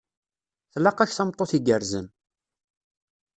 Tlaq-ak tameṭṭut igerrzen.